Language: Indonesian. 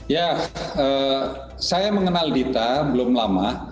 ya saya mengenal dita belum lama